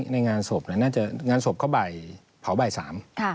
ในงานศพงานศพเขาเผาบ่าย๓